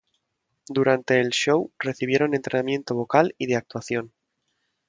Durante el show, recibieron entrenamiento vocal y de actuación.